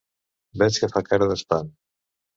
Veig que fa cara d'espant.